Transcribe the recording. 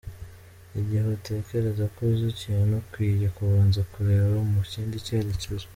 Igihe utekereza ko uzi ikintu, ukwiye kubanza kureba mu kindi cyerekezo.